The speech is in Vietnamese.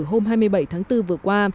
hôm hai mươi bảy tháng bốn vừa qua